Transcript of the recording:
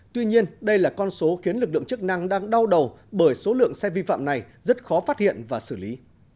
tuy nhiên đây là con số khiến lực lượng chức năng đang đau đầu bởi số lượng xe vi phạm này rất khó phát hiện và xử lý